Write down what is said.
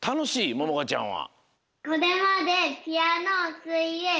ももかちゃんは。